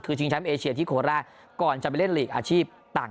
คือชิงชัมเอเชียทีโโฮราก่อนจะไปเล่นอาชีพต่าง